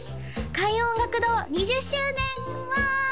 開運音楽堂２０周年！わ！